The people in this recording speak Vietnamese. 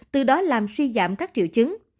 từ đó làm suy giảm các triệu chứng